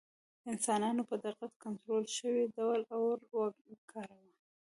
انسانانو په دقت کنټرول شوي ډول اور وکاراوه.